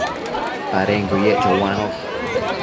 Padenquio yec choanosh